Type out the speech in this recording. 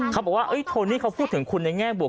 เขาบอกว่าโทนี่เขาพูดถึงคุณในแง่บวก